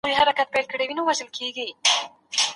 هیڅوک حق نه لري چي د بل چا نوم بد کړي.